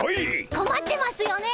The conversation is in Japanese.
こまってますよね？